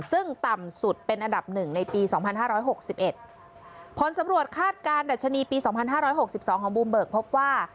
ซึ่งต่ำสุดเป็นอันดับหนึ่งในปีสองพันห้าร้อยหกสิบเอ็ดผลสำรวจคาดการณ์ดัชนีปีสองพันห้าร้อยหกสิบสองของบูมเบิกพบว่า